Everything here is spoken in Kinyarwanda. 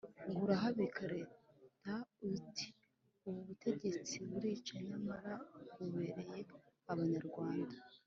Ngo uraharabika Leta ?Uti «ubu butegetsi burica nyamara bubereye abanyarwanda»,